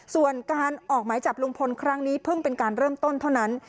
ส่วนการออกหมายจับลุงพลครั้งนี้เพิ่งเป็นการเริ่มต้นเท่านั้น